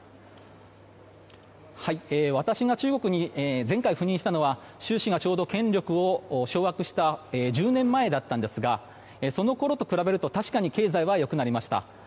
私が中国に前回赴任したのは習氏がちょうど権力を掌握した１０年前だったんですがそのころと比べると確かに経済は良くなりました。